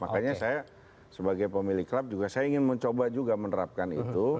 makanya saya sebagai pemilik klub juga saya ingin mencoba juga menerapkan itu